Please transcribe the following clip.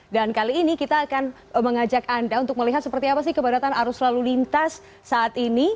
dan kali ini kita akan mengajak anda untuk melihat seperti apa sih keberadaan arus lalu lintas saat ini